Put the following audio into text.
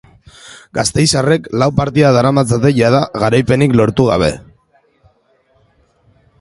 Gasteiztarrek lau partida daramatzate jada, garaipenik lortu gabe.